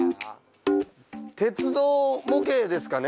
鉄道模型ですかね？